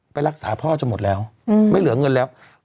ไปรักษาพ่อจนหมดแล้วไม่เหลือเงินแล้ว